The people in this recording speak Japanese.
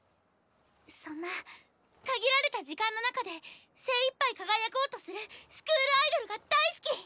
そんな限られた時間の中で精いっぱい輝こうとするスクールアイドルが大好き！